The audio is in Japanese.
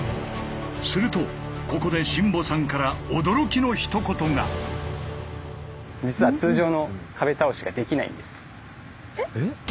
するとここで新保さんから驚きのひと言が。え？